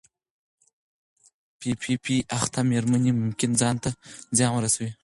پی پي پي اخته مېرمنې ممکن ځان ته زیان ورسوي.